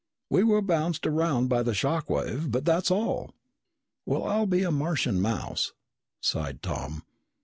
We were bounced around by the shock wave but that's all!" "Well, I'll be a Martian mouse," sighed Tom.